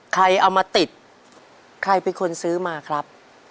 ใครเอามาติดใครเป็นคนซื้อมาครับ